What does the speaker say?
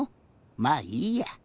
まあいいや。